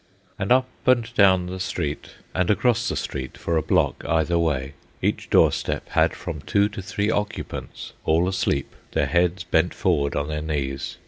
And up and down the street and across the street for a block either way, each doorstep had from two to three occupants, all asleep, their heads bent forward on their knees.